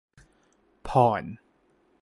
พร